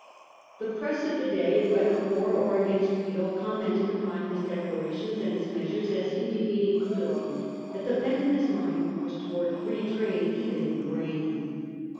The press of the day, whether for or against Peel, commented upon his declarations and his measures as indicating clearly that the bent of his mind was towards free trade even in grain.